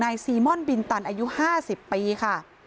ซีม่อนบินตันอายุ๕๐ปีค่ะ